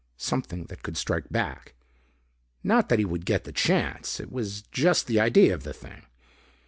Something that could strike back. Not that he would get the chance. It was just the idea of the thing.